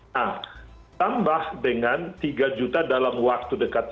nah tambah dengan tiga juta dalam waktu dekat